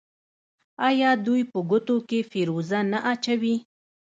آیا دوی په ګوتو کې فیروزه نه اچوي؟